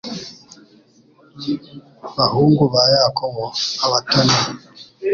bahungu ba Yakobo abatoni be